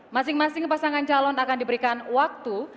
masing masing pasangan calon akan diberikan waktu